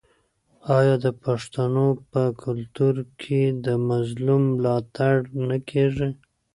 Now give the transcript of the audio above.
آیا د پښتنو په کلتور کې د مظلوم ملاتړ نه کیږي؟